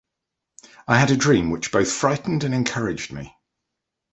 I had a dream which both frightened and encouraged me.